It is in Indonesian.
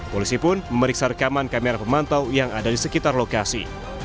polisi pun memeriksa rekaman kamera pemantau yang ada di sekitar lokasi